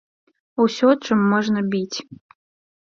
Усё, чым можна біць.